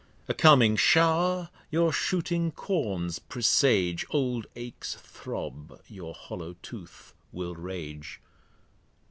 A coming Show'r your shooting Corns presage, Old Aches throb, your hollow Tooth will rage.